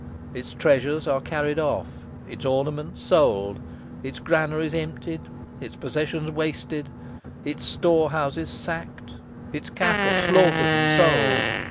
Its treasures are carried off, its ornaments sold, its granaries emptied, its possessions wasted, its storehouses sacked, its cattle slaughtered and sold.